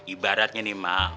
ibaratnya nih mak